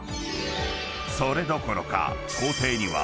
［それどころか］